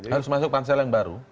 harus masuk pansel yang baru